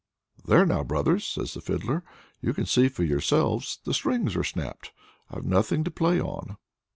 "There now, brothers!" says the Fiddler, "you can see for yourselves. The strings are snapped; I've nothing to play on!"